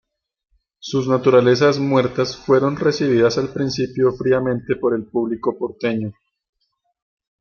Sus naturalezas muertas, fueron recibidas al principio fríamente por el público porteño.